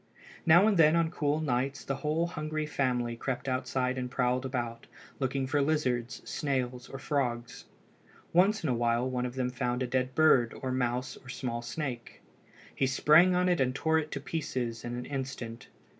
Now and then on cool nights the whole hungry family crept outside and prowled about, looking for lizards, snails, or frogs. Once in a while one of them found a dead bird or mouse or small snake. He sprang on it and tore it to pieces in an instant.